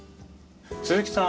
鈴木さん